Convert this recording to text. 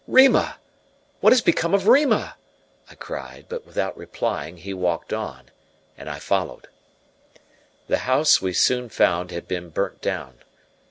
"Rima! What has become of Rima?" I cried; but without replying he walked on, and I followed. The house, we soon found, had been burnt down.